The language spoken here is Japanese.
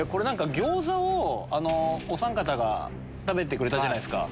餃子をおさん方が食べてくれたじゃないですか。